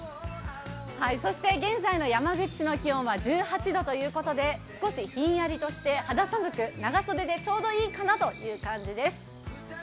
そして、現在の山口の気温は１８度ということで少しひんやりとして肌寒く、長袖でちょうどいいかなという感じです。